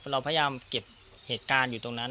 เราพยายามเก็บเหตุการณ์อยู่ตรงนั้น